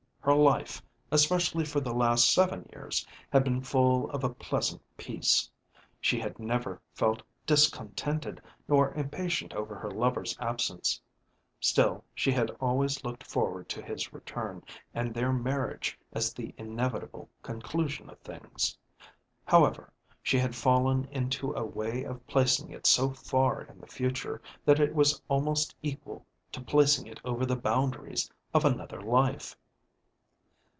Her life, especially for the last seven years, had been full of a pleasant peace, she had never felt discontented nor impatient over her lover's absence; still she had always looked forward to his return and their marriage as the inevitable conclusion of things. However she had fallen into a way of placing it so far in the future that it was al most equal to placing it over the boundaries of another life.